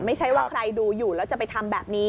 ไม่ใช่ว่าใครดูอยู่แล้วจะไปทำแบบนี้